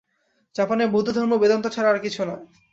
জাপানের বৌদ্ধধর্ম বেদান্ত ছাড়া আর কিছু নয়।